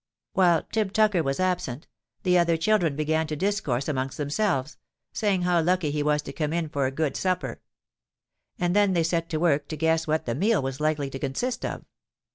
"While Tib Tucker was absent, the other children began to discourse amongst themselves, saying how lucky he was to come in for a good supper: and then they set to work to guess what the meal was likely to consist of.